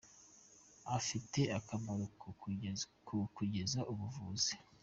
bafite akamaro mu kugeza ubuvuzi.